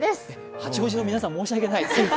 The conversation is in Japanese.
八王子の皆さん、申し訳ない。